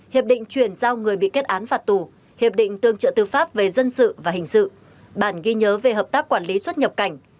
hiệp định chuyển giao người bị kết án phạt tù hiệp định tương trợ tư pháp về dân sự và hình sự bản ghi nhớ về hợp tác quản lý xuất nhập cảnh